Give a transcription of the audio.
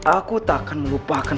aku tak akan melupakan